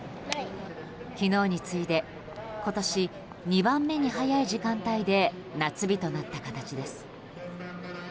昨日に次いで今年２番目に早い時間帯で夏日となった形です。